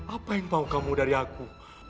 apa yang tahu kamu dari aku